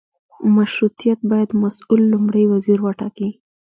مشروطیت باید مسوول لومړی وزیر وټاکي.